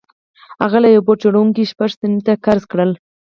هغه له يوه بوټ جوړوونکي شپږ سنټه قرض کړل.